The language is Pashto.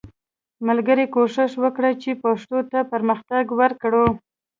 ملګرو کوښښ وکړئ چې پښتو ته پرمختګ ورکړو